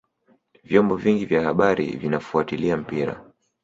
vyombo vingi vya habari vinafuatilia mpira